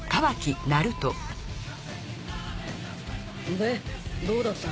でどうだった？